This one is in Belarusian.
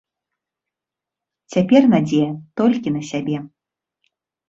Цяпер надзея толькі на сябе.